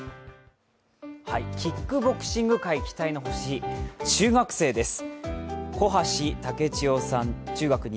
キックボクシング界、期待の星中学生です。